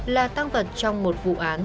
là tăng vật trong một vụ án